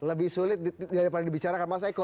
lebih sulit daripada dibicarakan mas eko